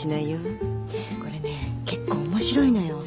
これね結構面白いのよ。